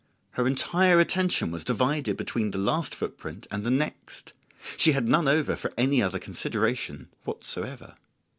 Her entire attention was divided between the last footprint and the next; she had none over for any other consideration whatsoever.